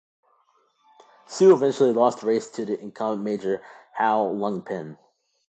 Su eventually lost the race to the incumbent mayor Hau Lung-pin.